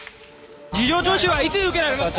事情聴取はいつ受けられますか。